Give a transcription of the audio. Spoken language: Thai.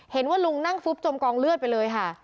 เห็นว่าลุงนั่งฟุบจมกองเลือดไปเลยค่ะ